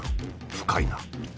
深いな。